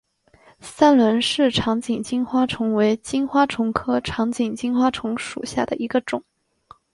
三轮氏长颈金花虫为金花虫科长颈金花虫属下的一个种。